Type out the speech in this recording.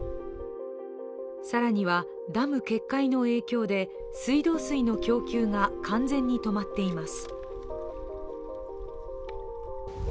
更には、ダム決壊の影響で水道水の供給が完全に止まっています。